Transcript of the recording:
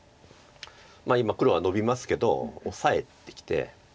今黒はノビますけどオサえてきて。